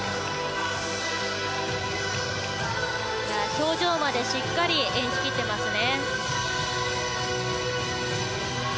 表情までしっかり演じ切っていますね。